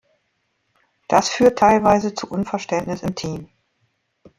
Das führt teilweise zu Unverständnis im Team.